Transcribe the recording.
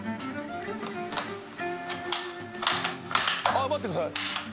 あっ待ってください。